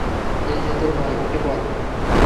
এইযে তোর ভাই, ওকে বল।